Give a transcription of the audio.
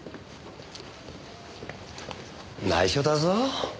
内緒だぞ。